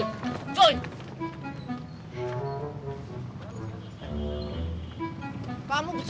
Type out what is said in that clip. kamu pesadanya kampungan cuy